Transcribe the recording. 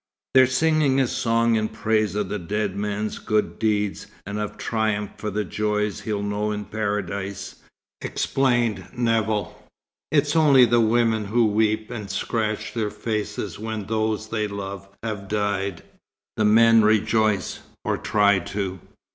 "They're singing a song in praise of the dead man's good deeds, and of triumph for the joys he'll know in Paradise," explained Nevill. "It's only the women who weep and scratch their faces when those they love have died. The men rejoice, or try to.